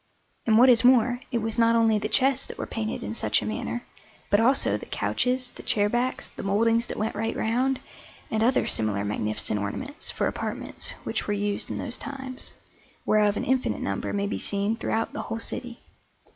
And what is more, it was not only the chests that were painted in such a manner, but also the couches, the chair backs, the mouldings that went right round, and other similar magnificent ornaments for apartments which were used in those times, whereof an infinite number may be seen throughout the whole city.